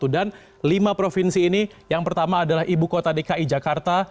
dan lima provinsi ini yang pertama adalah ibu kota dki jakarta